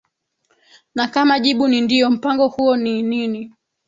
na kama jibu ni ndiyo mpango huo ni nini